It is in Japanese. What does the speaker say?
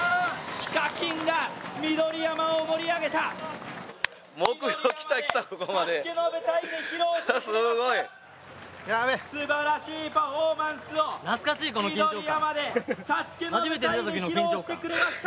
ＨＩＫＡＫＩＮが緑山を盛り上げたすばらしいパフォーマンスを緑山で、ＳＡＳＵＫＥの舞台で披露してくれました。